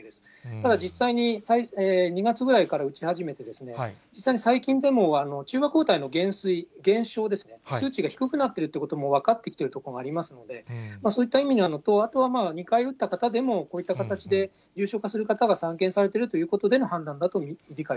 ただ、実際に２月ぐらいから打ち始めて、実際に最近でも中和抗体の減衰、減少ですね、数値が低くなってるということも分かってきてますので、そういった意味で、２回打った方でも、こういった形で重症化する方が散見されてるということでの判断だ